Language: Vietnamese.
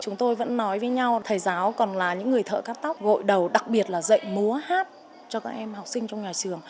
chúng tôi vẫn nói với nhau thầy giáo còn là những người thợ cắt tóc gội đầu đặc biệt là dạy múa hát cho các em học sinh trong nhà trường